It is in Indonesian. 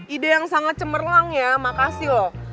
ide yang sangat cemerlang ya makasih loh